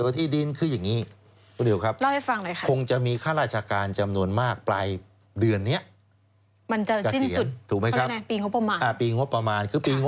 วิสุธิ์ใช่ไหมวิสุธิ์ไหน